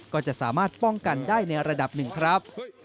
ก็จะสามารถป้องกันได้ในระดับหนึ่งครับ